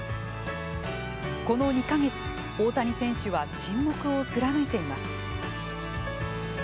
この２か月大谷選手は沈黙を貫いています。